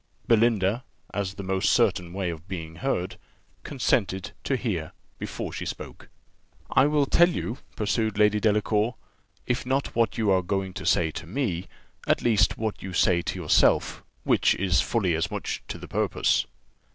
Belinda, as the most certain way of being heard, consented to hear before she spoke. "I will tell you," pursued Lady Delacour, "if not what you are going to say to me, at least what you say to yourself, which is fully as much to the purpose.